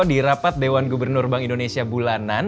di rapat dewan gubernur bank indonesia bulanan